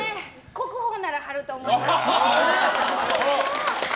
国宝ならはると思います。